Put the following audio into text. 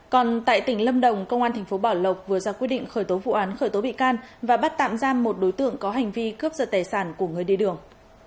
còn tại tỉnh lâm đồng công an tp bảo lộc vừa ra quyết định khởi tố vụ án khởi tố bị can và bắt tạm giam một đối tượng có hành vi cướp giật tài sản của người đi đường